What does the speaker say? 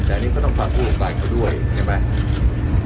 แต่อันนี้ก็ต้องฟังผู้ประกอบการเขาด้วยใช่ไหม